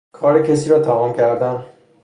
کار کسی را تمام کردن